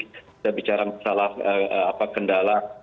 saya bicara masalah apa kendala